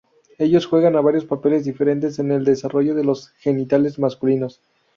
Ellos juegan varios papeles diferentes en el desarrollo de los genitales masculinos.